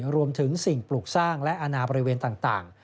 สิ่งปลูกสร้างและอาณาบริเวณต่าง